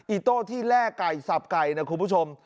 อิโต้ที่แลกไก่สับไก่นะคุณผู้ชม